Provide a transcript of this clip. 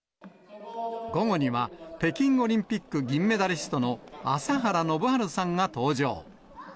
午後には、北京オリンピック銀メダリストの朝原宣治さんが登場。